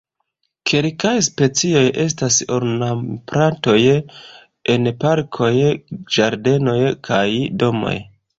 Kelkaj specioj estas ornamplantoj en parkoj, ĝardenoj kaj domoj.